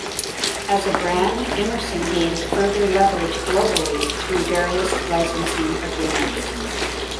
As a brand, Emerson gains further leverage globally through various licensing agreements.